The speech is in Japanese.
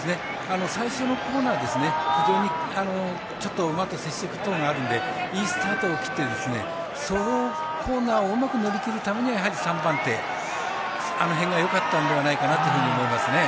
最初のコーナー馬との接触があるのでいいスタートを切ってそのコーナーをうまく乗りきるためにはやはり３番手あの辺がよかったのではないかと思いますね。